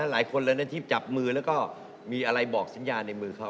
หลายคนเลยนะที่จับมือแล้วก็มีอะไรบอกสัญญาในมือเขา